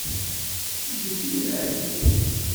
Ǧǧemt-iyi ad ɛeddiɣ.